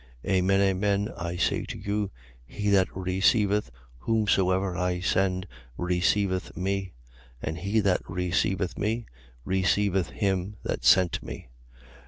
13:20. Amen, amen, I say to you, he that receiveth whomsoever I send receiveth me: and he that receiveth me receiveth him that sent me.